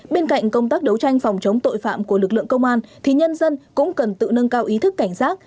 bên cạnh công tác đấu tranh phòng chống tội phạm của lực lượng công an thì nhân dân cũng cần tự nâng cao ý thức cảnh giác